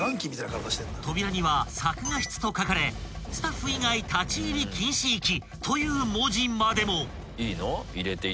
［扉には「作画室」と書かれ「スタッフ以外立入禁止域」という文字までも］